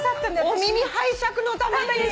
「お耳拝借」のために。